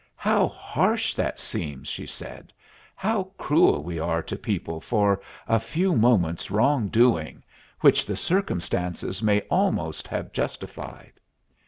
"How harsh that seems!" she said. "How cruel we are to people for a few moments' wrong doing, which the circumstances may almost have justified!"